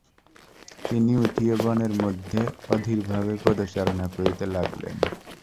তিনি উঠিয় বনের মধ্যে অধীর ভাবে পদচারণ করিতে লাগিলেন।